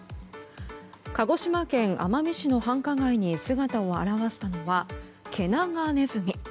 鹿児島県奄美市の繁華街に姿を現したのはケナガネズミ。